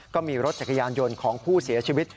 ก็มีรถจักรยานยนต์ของผู้เสียชีวิต